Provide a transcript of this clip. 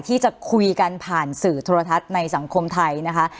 ที่จะคุยกันผ่านสื่อโทรทัศน์ในสังคมไทยนะคะ